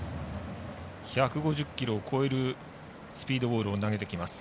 １５０キロを超えるスピードボールを投げてきます。